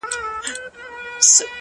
خداى دي زما د ژوندون ساز جوړ كه!!